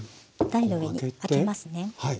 台の上にあけますね。